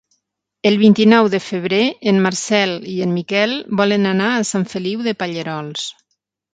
El vint-i-nou de febrer en Marcel i en Miquel volen anar a Sant Feliu de Pallerols.